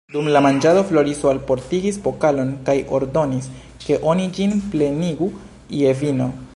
Dum la manĝado Floriso alportigis pokalon kaj ordonis, ke oni ĝin plenigu je vino.